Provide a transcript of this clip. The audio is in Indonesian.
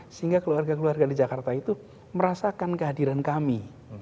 sehingga keluarga keluarga di jakarta itu merasakan kehadiran kami